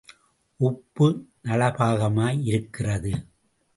உப்பு நளபாகமாய் இருக்கிறது.